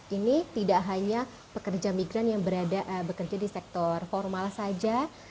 ini tidak hanya pekerja migran yang bekerja di sektor formal saja